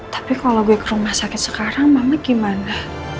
tapi kalau gue ke rumah sakit sekarang mama gimana